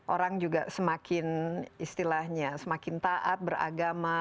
orang juga semakin istilahnya semakin taat beragama